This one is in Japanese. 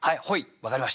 分かりました。